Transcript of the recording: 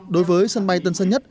đối với sân bay tân sơn nhất